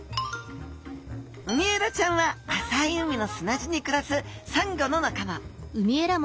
ウミエラちゃんは浅い海の砂地にくらすサンゴの仲間。